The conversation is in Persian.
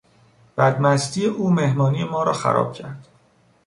بدمستی او مهمانی ما را خراب کرد.